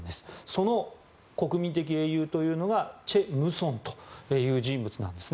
その国民的英雄というのがチェ・ムソンという人物です。